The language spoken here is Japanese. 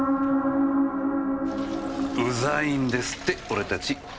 ウザイんですって俺たち。